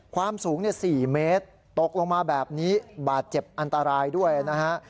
ความสูง๔เมตรตกลงมาแบบนี้บาดเจ็บอันตรายด้วยนะฮะ